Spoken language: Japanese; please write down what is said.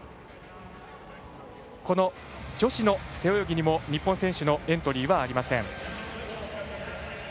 女子の背泳ぎにも日本の選手のエントリーはありません。